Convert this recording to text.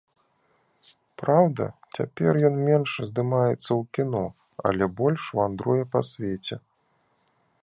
Праўда, цяпер ён менш здымаецца ў кіно, але больш вандруе па свеце.